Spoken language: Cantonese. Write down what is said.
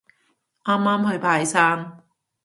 啱啱去拜山